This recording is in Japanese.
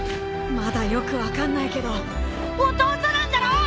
まだよく分かんないけど弟なんだろ！？